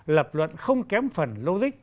lập luận không kém phần logic